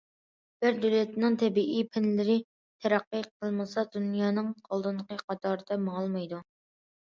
بىر دۆلەتنىڭ تەبىئىي پەنلىرى تەرەققىي قىلمىسا دۇنيانىڭ ئالدىنقى قاتارىدا ماڭالمايدۇ.